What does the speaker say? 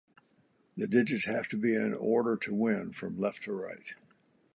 The digits have to be in order to win, from left to right.